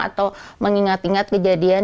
atau mengingat ingat kejadian